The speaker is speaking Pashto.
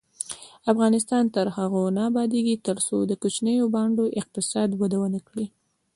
افغانستان تر هغو نه ابادیږي، ترڅو د کوچنیو بانډو اقتصاد وده ونه کړي.